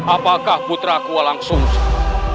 apakah putra kualang sungzang